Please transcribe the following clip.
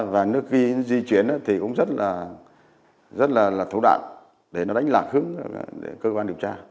và nước ghi di chuyển thì cũng rất là rất là là thu đoạn để nó đánh lạc hướng cơ quan điều tra